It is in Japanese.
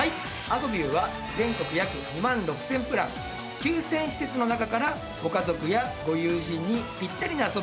アソビュー！は全国約２万６０００プラン９０００施設の中からご家族やご友人にピッタリな遊びをお選び頂けます。